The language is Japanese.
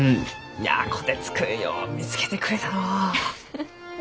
いや虎鉄君よう見つけてくれたのう。